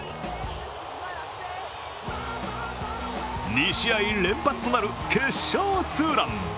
２試合連発となる決勝ツーラン。